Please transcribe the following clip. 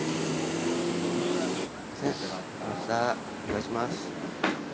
さぁお願いします。